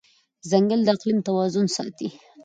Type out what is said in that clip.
ځنګل د اقلیم توازن ساتي.